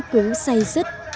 cứu say sứt